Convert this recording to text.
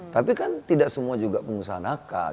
tapi kan tidak semua juga pengusaha nakal